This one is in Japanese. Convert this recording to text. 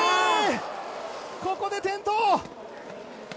ここで転倒！